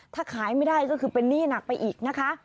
ถ้าขายไม่ได้ก็คือเป็นหนี้หนักไปอีกนะคะ